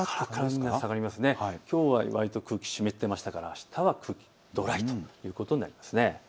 きょうはわりと空気湿っていましたがあしたはドライということになります。